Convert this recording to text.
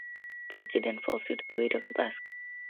Porky then falls due to the weight of the basket.